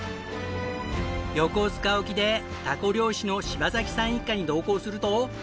横須賀沖でタコ漁師の柴崎さん一家に同行すると。